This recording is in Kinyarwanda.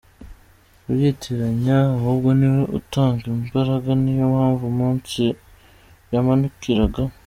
kubyitiranya ahubwo niwe utanga Imbaraga, niyo mpamvu umunsi yamanukiraga.